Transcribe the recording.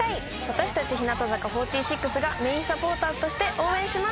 私たち日向坂４６がメインサポーターとして応援します！